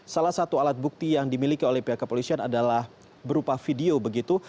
salah satu alat bukti yang dimiliki oleh pihak kepolisian adalah berupa video begitu